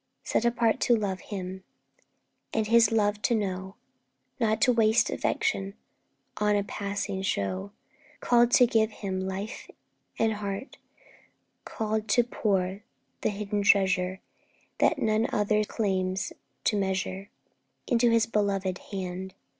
Set apart to love Him, And His love to know; Not to waste affection On a passing show; Called to give Him life and heart, Called to pour the hidden treasure, That none other claims to measure, Into His belovèd hand!